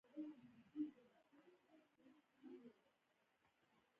غوښې د افغانانو د فرهنګي پیژندنې برخه ده.